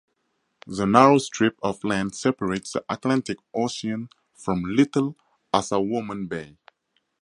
The narrow strip of land separates the Atlantic Ocean from Little Assawoman Bay.